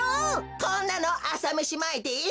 こんなのあさめしまえです。